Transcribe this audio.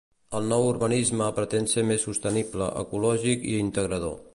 El nou urbanisme pretén ser més sostenible, ecològic i integrador.